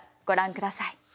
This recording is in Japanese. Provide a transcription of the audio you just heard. ご覧ください。